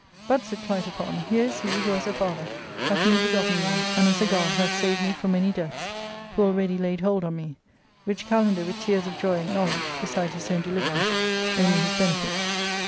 " But," said Clitophon, ^' here is he who, as a father, hath new begotten me, and, as a god, hath saved me from many deaths, who already laid hold on me," which Kalander with tears of joy acknowledged, besides his own deliverance, only his benefit.